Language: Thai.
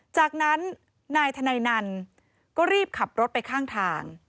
จากนั้นนายธนัยนันก็รีบขับรถไปข้างทาง